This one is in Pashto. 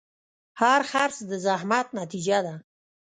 هر خرڅ د زحمت نتیجه ده.